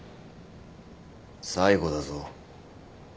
最後だぞ。